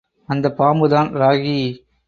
அந்தப் பாம்புதான் ராகி!